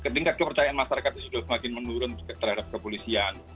tingkat kepercayaan masyarakat sudah semakin menurun terhadap kepolisian